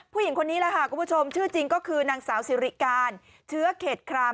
ผู้หญิงคนนี้แหละค่ะคุณผู้ชมชื่อจริงก็คือนางสาวสิริการเชื้อเขตคราม